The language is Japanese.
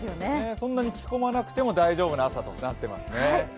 そんなに着込まなくても大丈夫な朝になってますね。